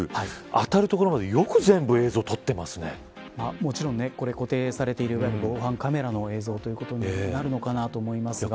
当たるところまでよく全もちろん、これ固定されている防犯カメラの映像ということになるのかなと思いますが。